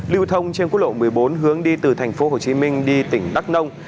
lưu thông trên quốc lộ một mươi bốn hướng đi từ thành phố hồ chí minh đi tỉnh đắk nông